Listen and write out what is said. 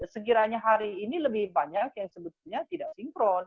sekiranya hari ini lebih banyak yang sebetulnya tidak sinkron